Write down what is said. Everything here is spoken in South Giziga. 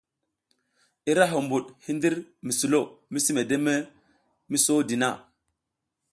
Ira huɓuɗ hindir mi sulo misi medeme mi sodi na.